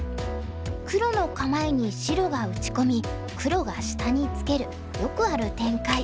黒の構えに白が打ち込み黒が下にツケるよくある展開。